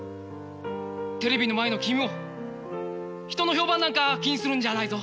テレビの前の君も人の評判なんか気にするんじゃないぞ。